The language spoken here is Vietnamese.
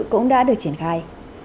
cũng đã được triển khai